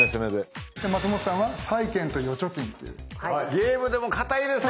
ゲームでもかたいですね。